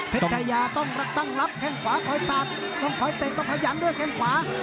เพชรไทยาต้องรักตั้งลับแข่งขวาคอยสาดต้องคอยเตะต้องพยันด้วยแข่งขวา